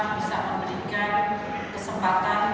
bisa memberikan kesempatan